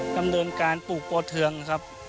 ดำเนินการปลูกปอเทืองนะครับ